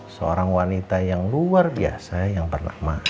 seorang wanita yang luar biasa yang bernama